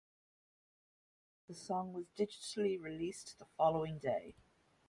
The song was digitally released the following day.